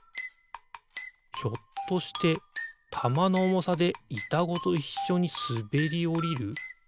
ひょっとしてたまのおもさでいたごといっしょにすべりおりる？